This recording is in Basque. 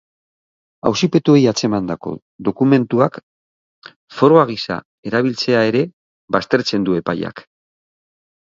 Auzipetuei atzemandako dokumentuak froga gisa erabiltzea ere baztertzen du epaiak.